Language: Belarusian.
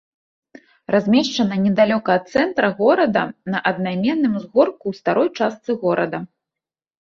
Размешчана недалёка ад цэнтра горада на аднайменным узгорку ў старой частцы горада.